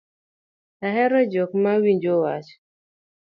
Ahero jok ma winjo wach